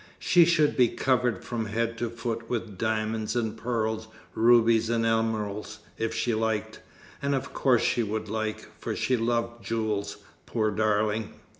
She should be covered from head to foot with diamonds and pearls, rubies and emeralds, if she liked; and of course she would like, for she loved jewels, poor darling."